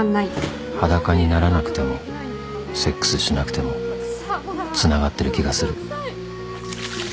裸にならなくてもセックスしなくてもつながってる気がする